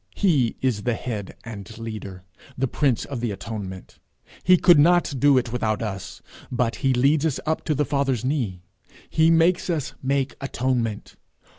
He is the head and leader, the prince of the atonement. He could not do it without us, but he leads us up to the Father's knee: he makes us make atonement.